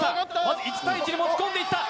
まず１対１に持ち込んでいった